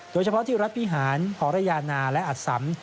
โดยเฉพาะที่รัฐวิหารหอระยานาและอัตสำ